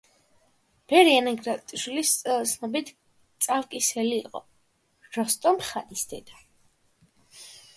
ბერი ეგნატაშვილის ცნობით, წავკისელი იყო როსტომ ხანის დედა.